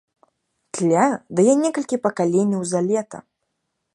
Тля дае некалькі пакаленняў за лета.